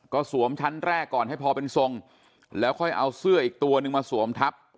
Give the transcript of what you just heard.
ก็สวมชั้นแรกก่อนให้พอเป็นทรงแล้วค่อยเอาเสื้ออีกตัวนึงมาสวมทับ